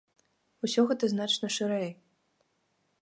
Усё гэта значна шырэй.